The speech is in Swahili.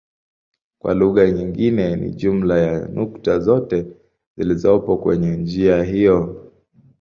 Kwa lugha nyingine ni jumla ya nukta zote zilizopo kwenye njia hiyo.